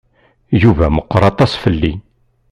Yuba meqqeṛ aṭas fell-i.